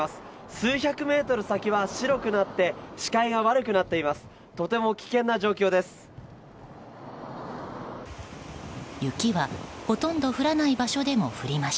数百メートル先は白くなって視界が悪くなっています。